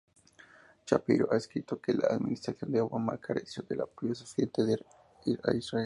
Shapiro ha escrito que la administración de Obama careció de apoyo suficiente a Israel.